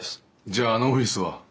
じゃああのオフィスは？